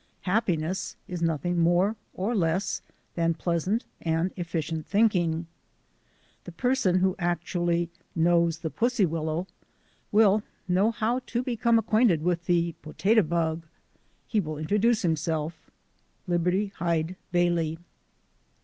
Happiness is nothing more or less than pleasant and efficient thinking. The person who actually knows the pussy willow will know how to become acquainted with the potato bug. He will introduce himself. — Liberty Hyde Bailey.